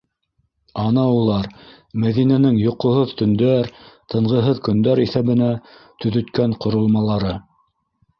Ана улар - Мәҙинәнең йоҡоһоҙ төндәр, тынғыһыҙ көндәр иҫәбенә төҙөткән ҡоролмалары.